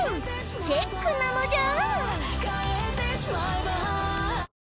チェックなのじゃー！